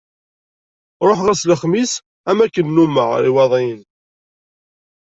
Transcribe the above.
Ruḥeɣ ass n lexmis am wakken nummeɣ ɣer Iwaḍiyen.